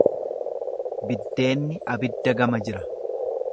Biddeenni abidda gama jira.